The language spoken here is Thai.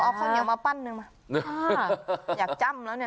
เอาข้าวเหนียวมาปั้นหนึ่งมาอยากจ้ำแล้วเนี่ย